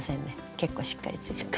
結構しっかりついてます。